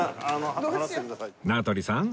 名取さん